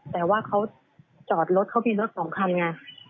แต่ว่าเขาจอดรถเขามีรถสองคันไง